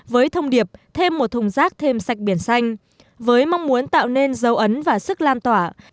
với thông điệp thêm một thùng rác thêm sạch biển xanh với mong muốn tạo nên dấu ấn và sức lan tỏa